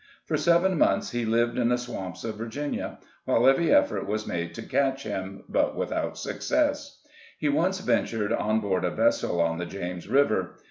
For seven months, he lived in the swamps of Virginia, while every effort was made to catch him, but without success. He once ventured on board a vessel on the James River.